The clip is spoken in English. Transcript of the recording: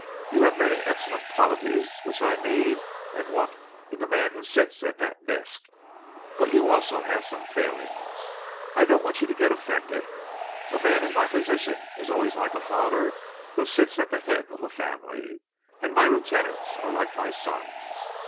You have many excellent qualities which I want and need in the man who sits at that desk; but you have also some failings. I don't want you to get offended. A man in my position is always like a father who sits at the head of a family, and my lieutenants are like my sons.